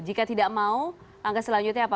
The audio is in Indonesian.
jika tidak mau angka selanjutnya apa